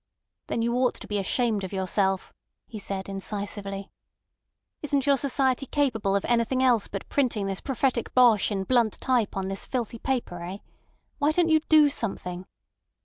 "Then you ought to be ashamed of yourself," he said incisively. "Isn't your society capable of anything else but printing this prophetic bosh in blunt type on this filthy paper eh? Why don't you do something?